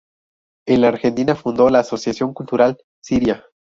En la Argentina fundó la Asociación Cultural Siria.